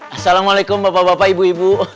assalamualaikum bapak bapak ibu ibu